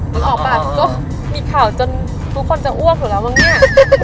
นึกออกป่ะก็มีข่าวจนทุกคนจะอ้วกอยู่แล้วมั้งเนี่ย